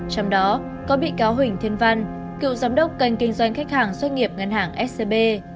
trong đó có bị cáo huỳnh thiên văn cựu giám đốc kênh kinh doanh khách hàng doanh nghiệp ngân hàng scb